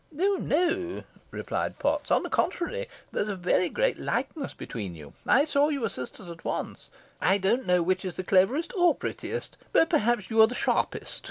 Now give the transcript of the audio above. "No, no," replied Potts, "on the contrary, there's a very great likeness between you. I saw you were sisters at once. I don't know which is the cleverest or prettiest but perhaps you are the sharpest.